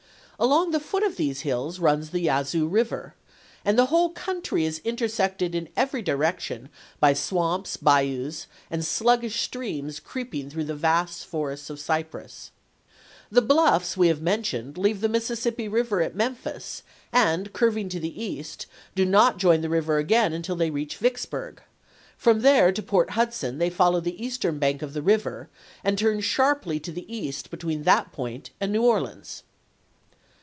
Along the foot of these hills runs the Yazoo Eiver, and the whole country is intersected in every direction by swamps, bayous, and sluggish streams creeping through vast forests of cypress. The bluffs we have mentioned leave the Mississippi Eiver at Memphis, and, curving to the east, do not join the river again until they reach Vicksburg ; from there to Port Hudson they follow the eastern bank of the river, and turn sharply to the east between that point and New Orleans.